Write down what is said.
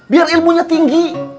biar ilmunya tinggi